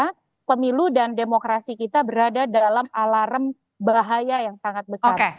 karena pemilu dan demokrasi kita berada dalam alarm bahaya yang sangat besar